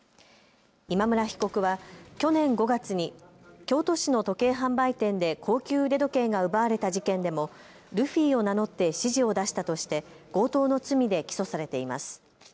今村被告は去年５月に京都市の時計販売店で高級腕時計が奪われた事件でもルフィを名乗って指示を出したとして強盗の罪で起訴されています。